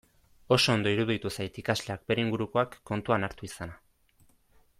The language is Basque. Oso ondo iruditu zait ikasleak bere ingurukoak kontuan hartu izana.